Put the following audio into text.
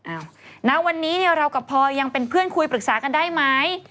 ณวันนี้เรากับพอยังเป็นเพื่อนคุยปรึกษากันได้ไหม